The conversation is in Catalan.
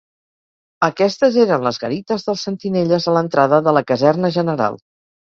Aquestes eren les garites dels sentinelles a l'entrada de la Caserna General.